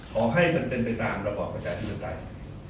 ขอให้มันเป็นไปตามระบบประชาชนต่าง